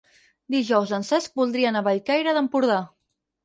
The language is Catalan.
Dijous en Cesc voldria anar a Bellcaire d'Empordà.